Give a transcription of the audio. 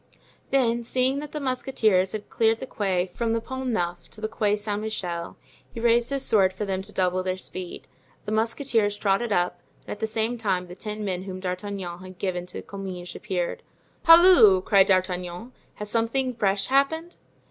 Then seeing that the musketeers had cleared the Quai from the Pont Neuf to the Quai Saint Michael, he raised his sword for them to double their speed. The musketeers trotted up, and at the same time the ten men whom D'Artagnan had given to Comminges appeared. "Halloo!" cried D'Artagnan; "has something fresh happened?"